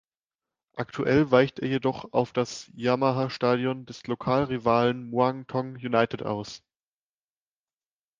Aktuell weicht er jedoch auf das Yamaha-Stadion des Lokalrivalen Muang Thong United aus.